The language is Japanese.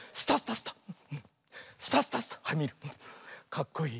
かっこいい。